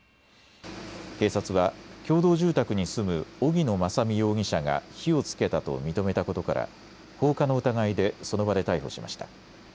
警察は共同住宅に住む荻野正美容疑者が火をつけたと認めたことから放火の疑いでその場で逮捕しました。